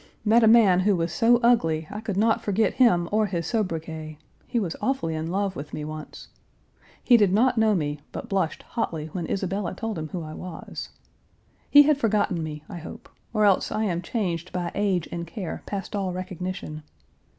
Met a man who was so ugly, I could not forget him or his sobriquet; he was awfully in love with me once. He did not know me, but blushed hotly when Isabella told him who I was. He had forgotten me, I hope, or else I am changed by age and care past all recognition.